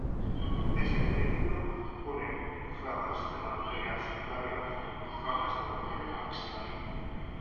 Este círculo une ramas de la arteria subclavia con ramas de la arteria axilar.